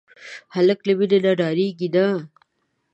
هلک له مینې نه ډاریږي نه.